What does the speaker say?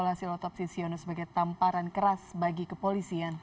hasil otopsi siono sebagai tamparan keras bagi kepolisian